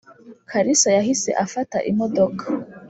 kalisa yahise afata imodoka